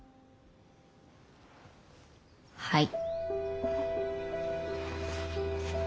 はい。